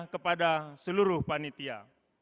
kepada seluruh panitia